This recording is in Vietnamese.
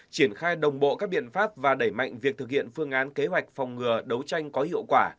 triển khai đồng bộ các biện pháp và đẩy mạnh việc thực hiện phương án kế hoạch phòng ngừa đấu tranh có hiệu quả